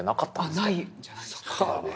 ないんじゃないですか。